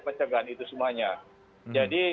pencegahan itu semuanya jadi